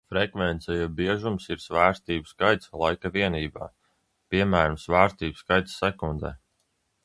Frekvence jeb biežums ir svārstību skaits laika vienībā, piemēram, svārstību skaits sekundē.